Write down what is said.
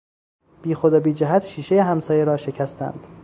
بیخود و بیجهت شیشهی همسایه را شکستند!